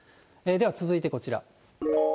では続いてこちら。